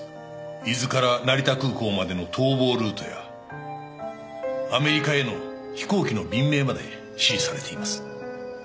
伊豆から成田空港までの逃亡ルートやアメリカへの飛行機の便名まで指示されています。